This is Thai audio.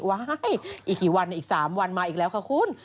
อีกกี่วันอีก๓วันมาอีกแล้วค่ะคุณ